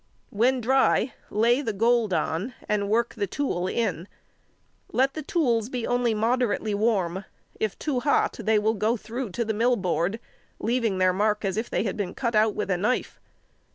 When dry, lay the gold on and work the tool in. Let the tools be only moderately warm; if too hot they will go through to the mill board, leaving their mark as if they had been cut out with a knife.